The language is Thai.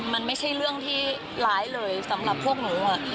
มันไม่ใช่เรื่องที่ร้ายเลยสำหรับพวกหนู